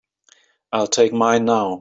I'll take mine now.